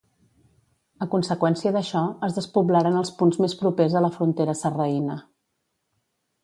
A conseqüència d'això es despoblaren els punts més propers a la frontera sarraïna.